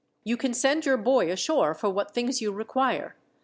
You can send your boy ashore for what things you require.